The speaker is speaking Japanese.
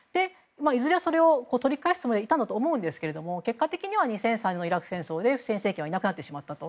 いずれはそれを取り返すつもりでいたと思うんですが結果的には２００３年のイラク戦争でフセイン政権はいなくなったと。